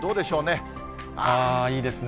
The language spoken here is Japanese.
いいですね。